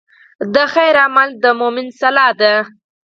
د خیر عمل د مؤمن سلاح ده.